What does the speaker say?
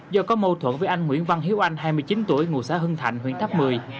do có mâu thuẫn với anh nguyễn văn hiếu anh hai mươi chín tuổi ngụ xã hưng thạnh huyện tháp một mươi